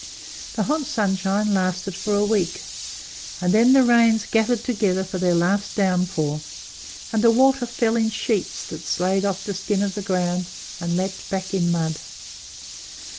The hot sunshine lasted for a week, and then the rains gathered together for their last downpour, and the water fell in sheets that flayed off the skin of the ground and leaped back in mud.